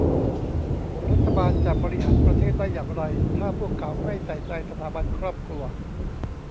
รัฐบาลจะบริหารประเทศได้อย่างไรถ้าพวกเขาไม่ใส่ใจสถาบันครอบครัว